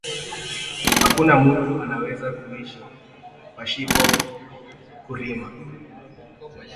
Akuna muntu ana weza ku ishi pashipo ku rima